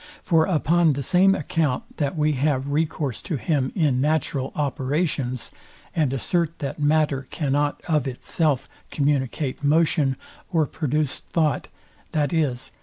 For upon the same account, that we have recourse to him in natural operations, and assert that matter cannot of itself communicate motion, or produce thought, viz.